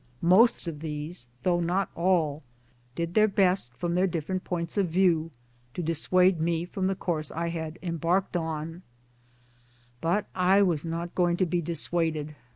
Most of these though not all did 1 their best from their different points of view to dissuade me from' the course I had embarked on ; but I was not going to be dissuaded.